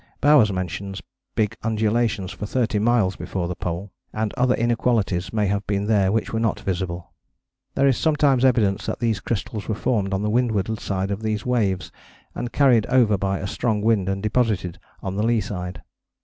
Bowers mentions big undulations for thirty miles before the Pole, and other inequalities may have been there which were not visible. There is sometimes evidence that these crystals were formed on the windward side of these waves, and carried over by a strong wind and deposited on the lee side.